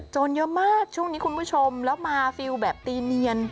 เยอะมากช่วงนี้คุณผู้ชมแล้วมาฟิลแบบตีเนียน